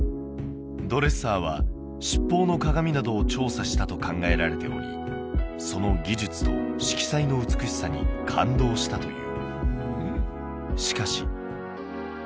ドレッサーは七宝の鏡などを調査したと考えられておりその技術と色彩の美しさに感動したという